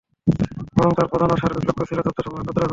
বরং তার প্রধান ও সার্বিক লক্ষ্য ছিল তথ্যসমূহ একত্র করা।